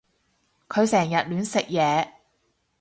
佢成日亂食嘢